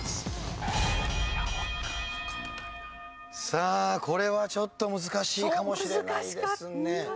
さあこれはちょっと難しいかもしれないですね。